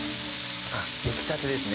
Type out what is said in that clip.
焼きたてですね。